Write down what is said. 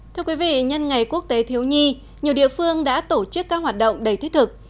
thưa quý vị nhân ngày quốc tế thiếu nhi nhiều địa phương đã tổ chức các hoạt động đầy thiết thực